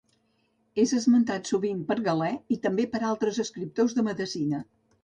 És esmentat sovint per Galè i també per altres escriptors de medicina.